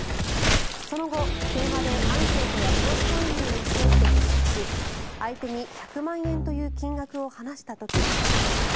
その後、電話でアンケートや投資勧誘を装って接触し相手に１００万円という金額を話した時え！